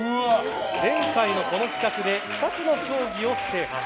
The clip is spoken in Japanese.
前回のこの企画で２つの競技を制覇。